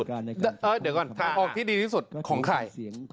เดี๋ยวก่อนทางออกที่ดีที่สุดของใคร